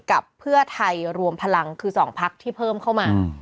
กับเพื่อไทยรวมพลังคือ๒พักที่เพิ่มเข้ามา